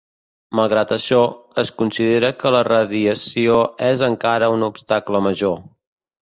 Malgrat això, es considera que la radiació és encara un obstacle major.